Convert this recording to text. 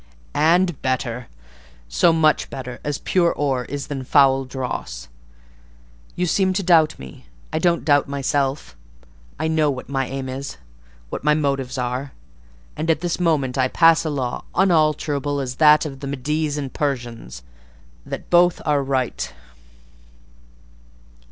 "And better—so much better as pure ore is than foul dross. You seem to doubt me; I don't doubt myself: I know what my aim is, what my motives are; and at this moment I pass a law, unalterable as that of the Medes and Persians, that both are right."